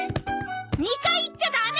２階行っちゃダメ！